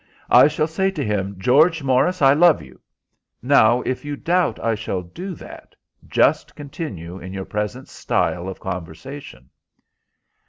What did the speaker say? I shall say to him, 'George Morris, I love you.' Now if you doubt I shall do that, just continue in your present style of conversation."